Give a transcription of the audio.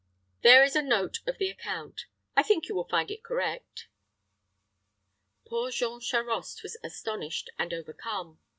There is a note of the account; I think you will find it correct." Poor Jean Charost was astonished and overcome.